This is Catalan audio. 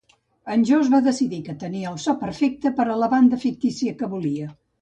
En Joss va decidir que tenien el so perfecte per a la banda fictícia que volia.